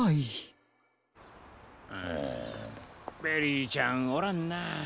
ベリーちゃんおらんな。